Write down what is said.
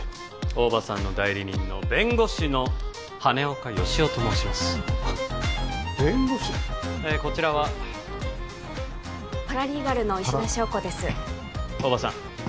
大庭さんの代理人の弁護士の羽根岡佳男と申しますはっ弁護士？えこちらはパラリーガルの石田硝子です大庭さん